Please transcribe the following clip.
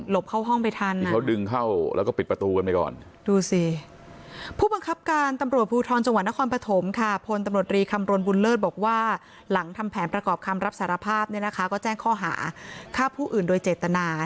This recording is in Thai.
หลบเข้าห้องไปทันอ่ะ